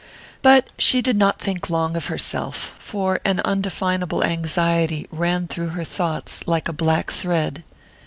But she did not think long of herself, for an undefinable anxiety ran through her thoughts like a black thread.